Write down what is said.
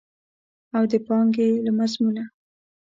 او د پانګې له مضمونه.